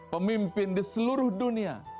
pemimpin di seluruh dunia